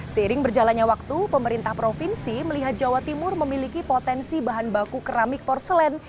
seiring berjalannya waktu pemerintah provinsi melihat jawa timur memiliki potensi bahan baku keramik porselen